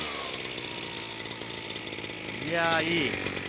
いやいい。